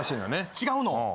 違うの？